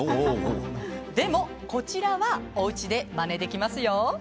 でもこちらは、おうちでまねできますよ。